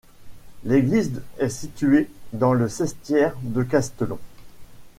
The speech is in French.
L'église est située dans le sestiere de Castello.